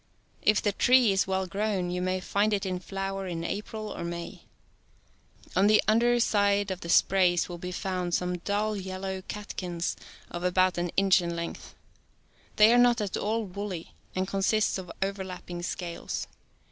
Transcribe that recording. If the tree is well grown, you may find it in flower in April or May. On the under ("B side of the sprays will be found some dull yellow cat kins of about an inch in length (Fig. 4). They are not at all woolly, and consist of overlapping scales.